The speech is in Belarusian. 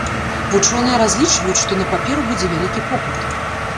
Вучоныя разлічваюць, што на паперу будзе вялікі попыт.